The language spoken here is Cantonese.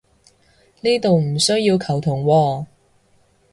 呢度唔需要球僮喎